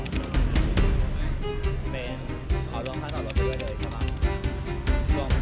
รวมค่าจอดรถไปด้วยครับรวมรวมค่าที่จอดแล้วด้วยครับเป็นเท่าไหร่สามร้อยสี่ร้อยใช่ป่ะโอเคค่าหกร้อย